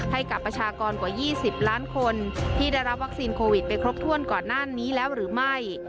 ให้กับประชากรกว่า๒๐ล้านคนที่ได้รับวัคซีนโควิดไปครบถ้วนก่อนหน้านี้แล้วหรือไม่